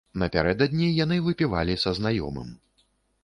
Напярэдадні яны выпівалі са знаёмым.